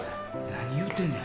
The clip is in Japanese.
何言うてんねや。